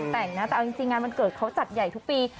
แต่งนะแต่เอาจริงงานวันเกิดเขาจัดใหญ่ทุกปี